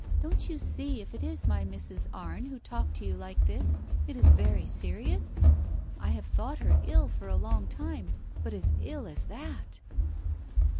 Don't you see if it is my Mrs. Arne who talked to you like this, it is very serious ? I have thought her ill for a long time; but as ill as that